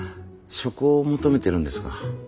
職を求めてるんですが。